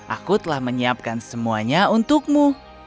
aku telah menyiapkan semuanya untukmu